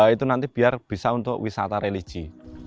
itu nanti biar bisa untuk wisata religi